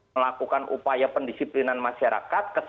melakukan upaya pendisiplinan masyarakat